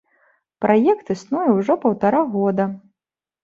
Праект існуе ўжо паўтара года.